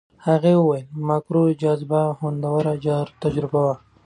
هغې وویل ماکرو جاذبه خوندور تجربه وه.